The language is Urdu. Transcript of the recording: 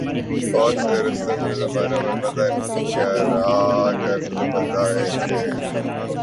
بہت سے رستم جو گزرے زمانوں میں پتہ نہیں کیا راگ الاپتے تھے۔